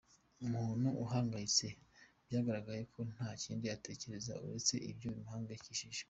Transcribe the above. Umuntu uhangayitse byagaragaye ko nta kindi atekerezaho uretse ibyo bimuhanganyikishije.